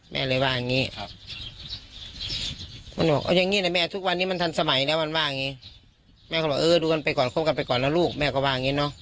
แม็ก็ว่าอย่างนี้ล่ะเนี่ยเป็นอะไรว่า